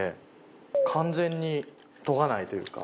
完全に溶かないというか。